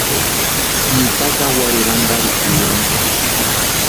Nipa kawarurhu antarhukurani.